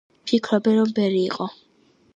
ფიქრობენ, რომ ბერი იყო.